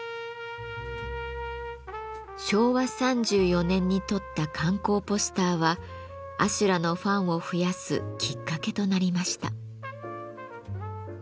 昭和３４年に撮った観光ポスターは阿修羅のファンを増やすきっかけとなりました。